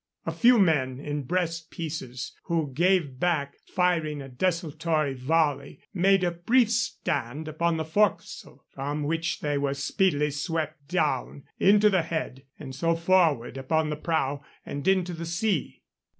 A few men in breast pieces, who gave back, firing a desultory volley, made a brief stand upon the forecastle, from which they were speedily swept down into the head and so forward upon the prow and into the sea.